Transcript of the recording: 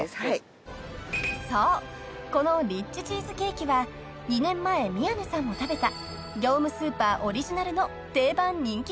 ［そうこのリッチチーズケーキは２年前宮根さんも食べた業務スーパーオリジナルの］